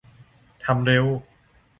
ทำเร็ว